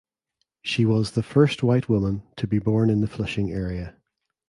She was the first white woman to be born in the Flushing area.